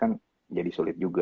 kan jadi sulit juga